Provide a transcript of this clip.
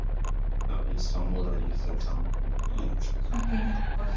The eastern border is the Town of Yates in Orleans County.